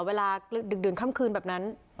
เวลาดึกดื่นค่ำคืนแบบนั้น